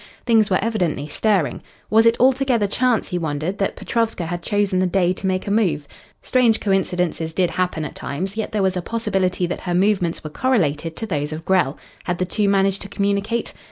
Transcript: Things were evidently stirring. Was it altogether chance, he wondered, that Petrovska had chosen the day to make a move? Strange coincidences did happen at times, yet there was a possibility that her movements were correlated to those of Grell. Had the two managed to communicate?